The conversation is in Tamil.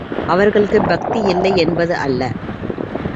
அவர்களுக்குப் பக்தி இல்லை என்பது அல்ல.